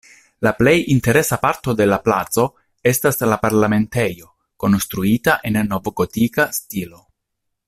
La plej interesa parto de la placo estas la Parlamentejo konstruita en novgotika stilo.